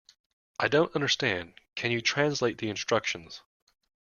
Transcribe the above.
I don't understand; can you translate the instructions?